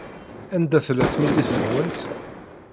Anda tella tmidit-nwent?